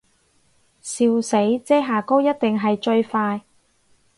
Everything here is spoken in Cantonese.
笑死，遮瑕膏一定係最快